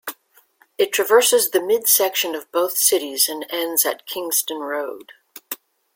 It traverses the midsection of both cities and ends at Kingston Road.